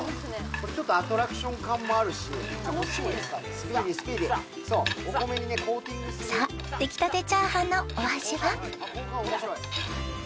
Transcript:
これちょっとアトラクション感もあるしスピーディースピーディーそうお米にねコーティングさあできたてチャーハンのお味は？